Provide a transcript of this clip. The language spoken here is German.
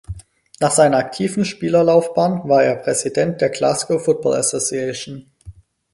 Nach seiner aktiven Spielerlaufbahn war er Präsident der Glasgow Football Association.